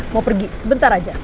mau pergi sebentar aja